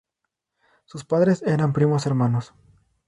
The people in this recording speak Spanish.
Sus padres eran primos hermanos.